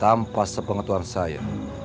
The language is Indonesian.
tanpa sepengetuhan saya